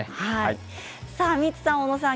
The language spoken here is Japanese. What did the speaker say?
ミッツさん、小野さん